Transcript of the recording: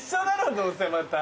どうせまた。